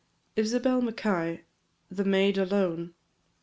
ISABEL MACKAY THE MAID ALONE.